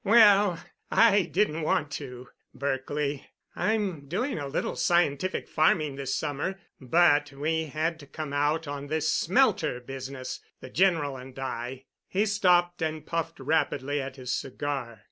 "Well, I didn't want to, Berkely—I'm doing a little scientific farming this summer—but we had to come out on this smelter business—the General and I——" He stopped and puffed rapidly at his cigar.